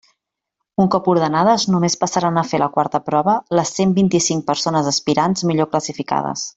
Un cop ordenades, només passaran a fer la quarta prova les cent vint-i-cinc persones aspirants millor classificades.